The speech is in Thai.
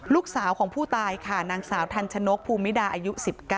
ลูกสาวของผู้ตายค่ะนางสาวทันชนกภูมิดาอายุ๑๙